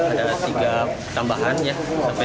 ada tiga tambahan ya sampai